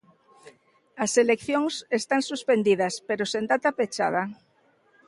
As eleccións están suspendidas, pero sen data pechada.